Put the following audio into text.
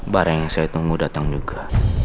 barang yang saya tunggu datang juga